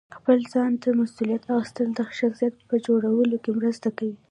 خپل ځان ته مسؤلیت اخیستل د شخصیت په جوړونه کې مرسته کوي.